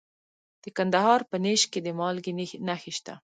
د کندهار په نیش کې د مالګې نښې شته.